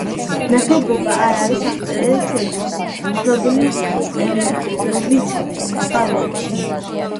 ნაგებობა არ არის აღწერილი ჩვენთვის ცნობილ წერილობით წყაროებში.